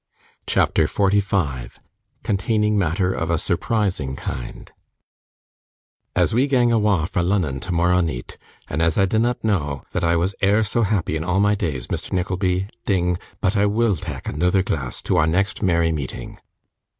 CHAPTER 45 Containing Matter of a surprising Kind 'As we gang awa' fra' Lunnun tomorrow neeght, and as I dinnot know that I was e'er so happy in a' my days, Misther Nickleby, Ding! but I WILL tak' anoother glass to our next merry meeting!